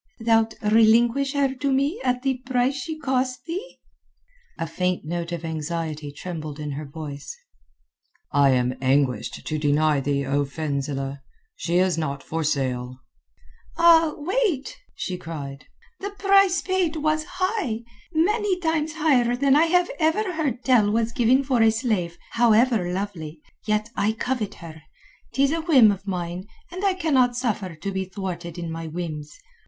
"Thou'lt relinquish her to me at the price she cost thee?" A faint note of anxiety trembled in her voice. "I am anguished to deny thee, O Fenzileh. She is not for sale." "Ah, wait," she cried. "The price paid was high—many times higher than I have ever heard tell was given for a slave, however lovely. Yet I covet her. 'Tis a whim of mine, and I cannot suffer to be thwarted in my whims.